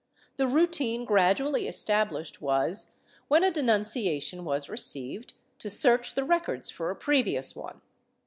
The routine gradually established was, when a denunciation was received, to search the records for a previous one.